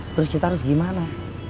terus kita harus gimana